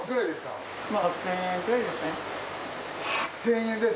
８，０００円です